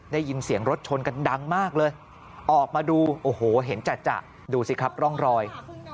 ได้ยินเสียงรถชนกันดังมากเลยออกมาดูโอ้โหเห็นจัดดูสิครับร่องรอย